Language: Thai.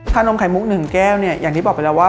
นมไข่มุก๑แก้วเนี่ยอย่างที่บอกไปแล้วว่า